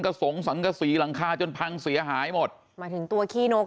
สงสังกษีหลังคาจนพังเสียหายหมดหมายถึงตัวขี้นก